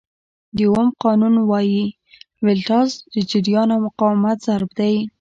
د اوم قانون وایي ولټاژ د جریان او مقاومت ضرب دی.